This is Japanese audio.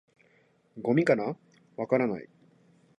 「ゴミかな？」「わからない」